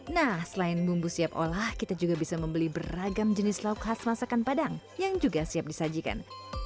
nah selain bumbu siap olah kita juga bisa membeli beragam jenis lauk khas masakan padang yang juga siap disajikan